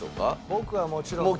僕はもちろんね。